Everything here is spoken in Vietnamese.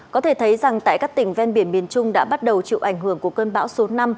có thể thấy rằng tại các tỉnh ven biển miền trung đã bắt đầu chịu ảnh hưởng của cơn bão số năm